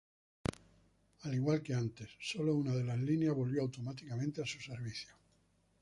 Al igual que antes, sólo una de las líneas volvió automáticamente a sus servicios.